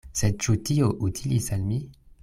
Sed ĉu tio utilis al mi?